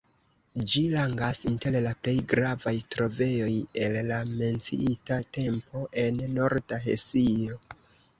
Ĝi rangas inter la plej gravaj trovejoj el la menciita tempo en Norda Hesio.